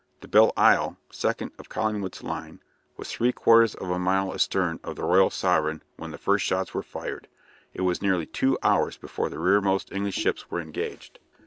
The "Belleisle," second of Collingwood's line, was three quarters of a mile astern of the "Royal Sovereign" when the first shots were fired. It was nearly two hours before the rearmost English ships were engaged.